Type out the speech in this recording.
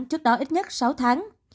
trước đó ít nhất sáu tháng